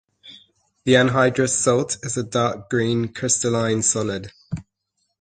The anhydrous salt is a dark green crystalline solid.